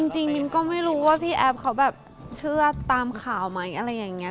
มินก็ไม่รู้ว่าพี่แอฟเขาแบบเชื่อตามข่าวไหมอะไรอย่างนี้